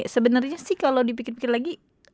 sebenarnya sih kalau dipikir pikir lagi